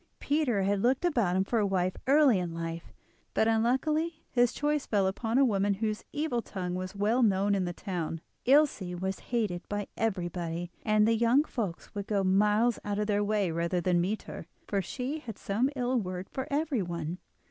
Peter had looked about him for a wife early in life, but unluckily his choice fell upon a woman whose evil tongue was well known in the town. Ilse was hated by everybody, and the young folks would go miles out of their way rather than meet her, for she had some ill word for everyone.